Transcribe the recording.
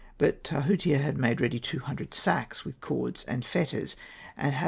But Tahutia had made ready two hundred sacks, with cords and fetters, and had.